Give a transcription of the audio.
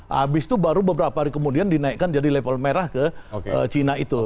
habis itu baru beberapa hari kemudian dinaikkan jadi level merah ke china itu